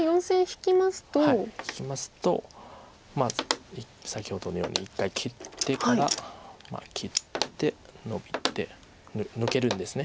引きますとまあ先ほどのように一回切ってから切ってノビて抜けるんです。